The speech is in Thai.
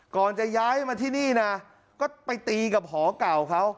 ก่อนจะย้ายมาที่นี่นะก็ไปตีกับหอเก่าเขา